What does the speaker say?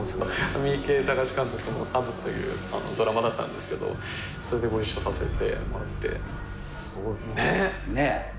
三池崇史監督の「ＳＡＢＵさぶ」というドラマだったんですけどそれでご一緒させてもらってねっねえ